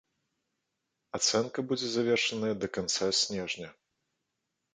Ацэнка будзе завершаная да канца снежня.